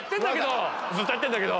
ずっとやってんだけど！